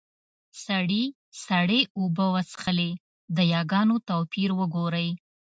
سړي سړې اوبۀ وڅښلې . د ياګانو توپير وګورئ!